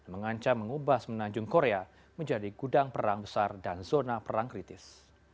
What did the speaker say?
mengancam mengubah semenanjung korea menjadi gudang perang besar dan zona perang kritis